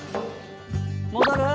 戻る？